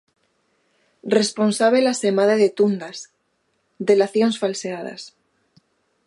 Responsábel asemade de tundas, delacións falseadas.